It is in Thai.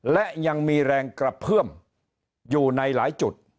และยังมีแรงกระเพื่อมอยู่ในหลายจุด